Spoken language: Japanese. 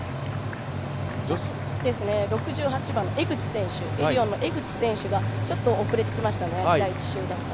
６８番のエディオンの江口選手がちょっと遅れてきましたね、第１集団から。